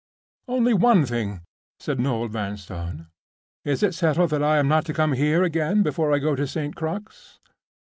"Only one thing," said Noel Vanstone. "Is it settled that I am not to come here again before I go to St. Crux?"